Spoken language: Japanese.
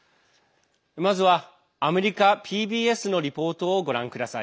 まずは、アメリカＰＢＳのリポートをご覧ください。